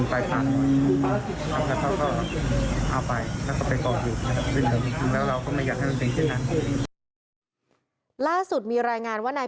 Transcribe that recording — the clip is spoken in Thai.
แล้วก็หาคุณผู้ใจตรวจของพิธีนะครับ